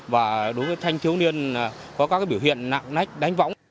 và đối với thanh thiếu niên có các biểu hiện nặng lách đánh võng